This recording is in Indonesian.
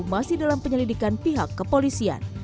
masih dalam penyelidikan pihak kepolisian